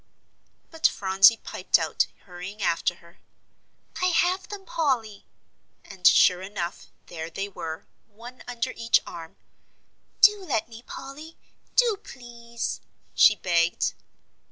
But Phronsie piped out, hurrying after her, "I have them, Polly," and, sure enough, there they were, one under each arm; "do let me, Polly do, please!" she begged.